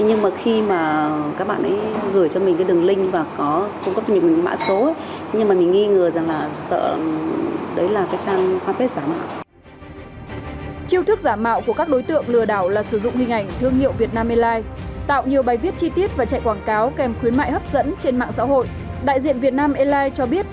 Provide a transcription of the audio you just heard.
nhưng mà khi mà các bạn ý gửi cho mình cái đường link và có cung cấp cho mình mã số